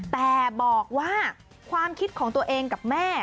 แต่บอกว่าความคิดของตัวเองกับแม่